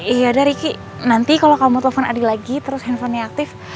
yaudah riki nanti kalau kamu telepon adi lagi terus handphonenya aktif